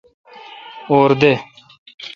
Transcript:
اور دہ۔